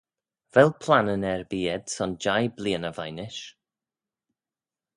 Vel plannyn erbee ayd son jeih bleeaney veih nish?